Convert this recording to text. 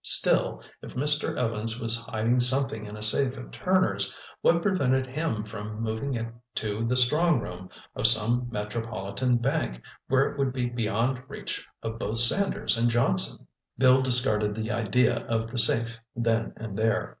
Still, if Mr. Evans was hiding something in a safe at Turner's, what prevented him from moving it to the strong room of some metropolitan bank, where it would be beyond reach of both Sanders and Johnson? Bill discarded the idea of the safe then and there.